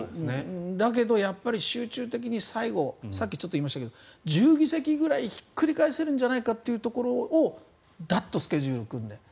だけど集中的に、最後ちょっと言いましたが１０議席ぐらいひっくり返せるんじゃないかというところをだっとスケジュールを組んで。